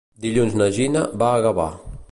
Dilluns na Gina va a Gavà.